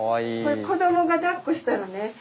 これ子どもがだっこしたらね